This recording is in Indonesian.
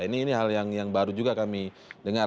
ini hal yang baru juga kami dengar